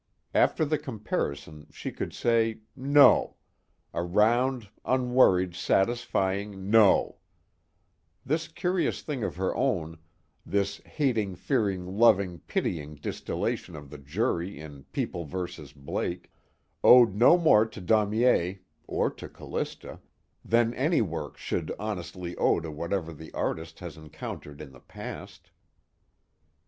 After the comparison she could say No: a round, unworried, satisfying No. This curious thing of her own, this hating fearing loving pitying distillation of the jury in People vs. Blake, owed no more to Daumier (or to Callista) than any work should honestly owe to whatever the artist has encountered in the past.